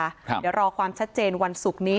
เดี๋ยวรอความชัดเจนวันศุกร์นี้